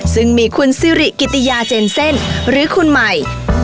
ซึ่งมีคุณซิริกิติยาเจนเซ่นหรือคุณใหม่